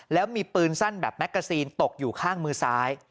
แล้วมีปืนสั้นแบบแมกกาซีนตกอยู่ข้างมือซ้าย